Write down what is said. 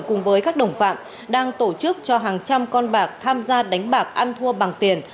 cùng với các đồng phạm đang tổ chức cho hàng trăm con bạc tham gia đánh bạc ăn thua bằng tiền